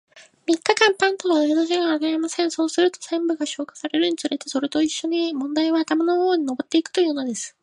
三日間は、パンと水しか与えません。そうすると、煎餅が消化されるにつれて、それと一しょに問題は頭の方へ上ってゆくというのです。